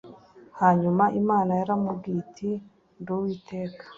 Hanyuma Imana yaramubwiye iti: nduwiteka